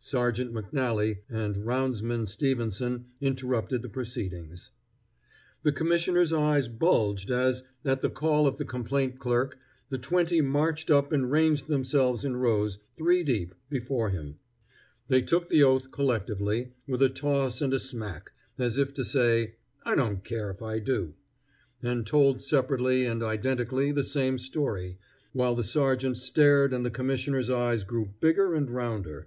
Sergeant McNally and Roundsman Stevenson interrupted the proceedings. The commissioner's eyes bulged as, at the call of the complaint clerk, the twenty marched up and ranged themselves in rows, three deep, before him. They took the oath collectively, with a toss and a smack, as if to say, "I don't care if I do," and told separately and identically the same story, while the sergeant stared and the commissioner's eyes grew bigger and rounder.